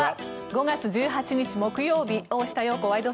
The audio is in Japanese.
５月１８日、木曜日「大下容子ワイド！